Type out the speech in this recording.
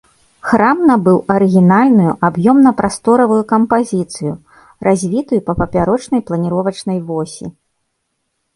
Храм набыў арыгінальную аб'ёмна-прасторавую кампазіцыю, развітую па папярочнай планіровачнай восі.